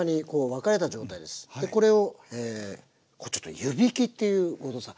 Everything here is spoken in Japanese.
これをちょっと湯びきっていう後藤さん